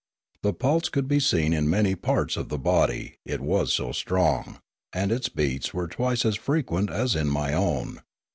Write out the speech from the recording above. The pulse could be seen in many parts of the body, it was so strong; and its beats were twice as frequent as in my own.